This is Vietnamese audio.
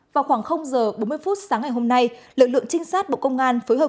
vào khoảng h bốn mươi phút sáng ngày hôm nay lực lượng trinh sát bộ công an phối hợp